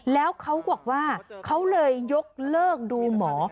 แล้วเขาบอกว่าเขาเลยยกเลิกดูหมอ